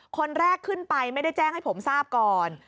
คนแรกขึ้นไปไม่ได้แจ้งให้ผมทราบก่อน